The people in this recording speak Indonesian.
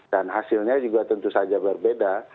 dan hasilnya juga tentu saja berbeda